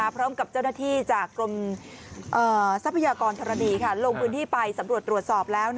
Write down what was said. พร้อมกับเจ้าหน้าที่จากกรมทรัพยากรธรณีลงพื้นที่ไปสำรวจตรวจสอบแล้ว